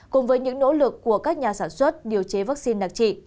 cùng với những nỗ lực của các nhà sản xuất điều chế vắc xin đặc trị